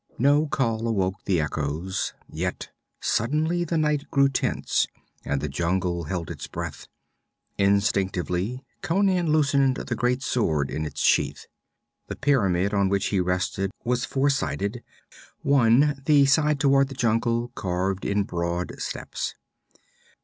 No call awoke the echoes; yet suddenly the night grew tense and the jungle held its breath. Instinctively Conan loosened the great sword in its sheath. The pyramid on which he rested was four sided, one the side toward the jungle carved in broad steps.